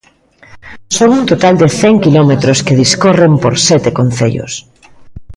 Son un total de cen quilómetros que discorren por sete concellos.